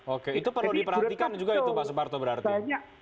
oke itu perlu diperhatikan juga itu pak suparto berarti